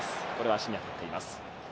足に当たっています。